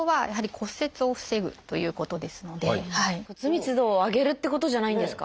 骨密度を上げるってことじゃないんですか？